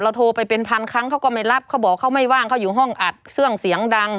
โทรไปเป็นพันครั้งเขาก็ไม่รับเขาบอกเขาไม่ว่างเขาอยู่ห้องอัดเครื่องเสียงดัง